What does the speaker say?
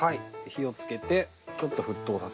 火をつけてちょっと沸騰させます。